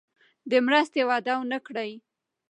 د مرستې وعده ونه کړي.